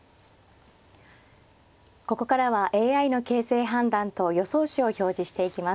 ここからはＡＩの形勢判断と予想手を表示していきます。